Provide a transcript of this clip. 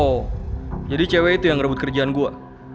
oh jadi cewek itu yang ngerebut kerjaan gue